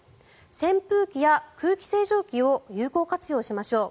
扇風機や空気清浄機を有効活用しましょう。